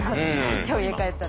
今日家帰ったら。